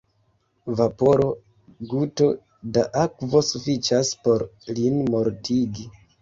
Vaporo, guto da akvo sufiĉas por lin mortigi.